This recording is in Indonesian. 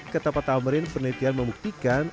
ketapa tamrin penelitian membuktikan